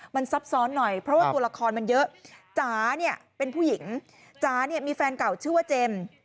มันซับซ้อนหน่อยเพราะว่าตัวละครมันเยอะจ๋าเนี่ยเป็นผู้หญิงจ๋าเนี่ยมีแฟนเก่าชื่อว่าเจมส์